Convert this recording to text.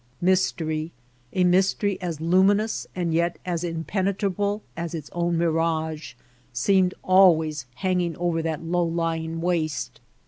Mystery — a mystery as luminous and yet as impenetrable as its own mirage — seemed always hanging over that low lying waste.